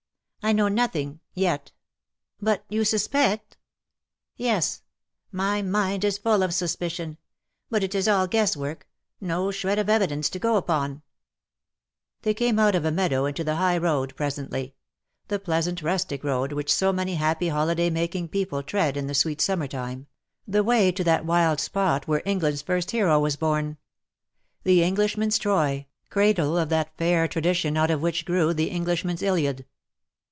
I know nothing — yet.'^ " But you suspect ?■" DUEL OR MURDER ? 47 " Yes. My mind is full of suspicion ; but it is all guess work — no shred of evidence to go upon/^ They came out of a meadow into the high road presently — the pleasant rustic road which so many happy holiday making people tread in the sweet summer time — the way to that wild spot where England's first hero was born ; the Englishman's Troy, cradle of that fair tradition out of which grew the Englishman's Iliad.